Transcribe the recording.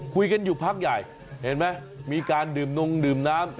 คุยกันอยู่พักใหญ่เห็นไหมมีการดื่มนงดื่มน้ำ